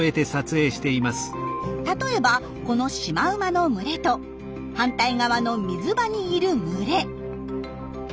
例えばこのシマウマの群れと反対側の水場にいる群れ。